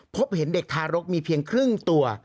พบเห็นเด็กทารกมีเพียงครึ่งตัว